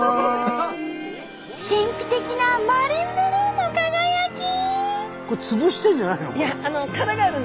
神秘的なマリンブルーの輝き！